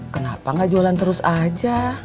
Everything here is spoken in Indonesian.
kenapa gak jualan terus aja